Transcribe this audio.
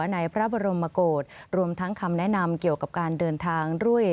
ในพระบรมโกศรวมทั้งคำแนะนำเกี่ยวกับการเดินทางด้วย